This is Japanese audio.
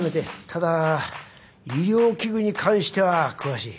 ただ医療器具に関しては詳しい。